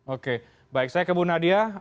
oke baik saya ke bu nadia